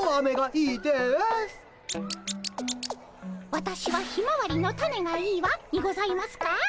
「わたしはひまわりの種がいいわ」にございますか？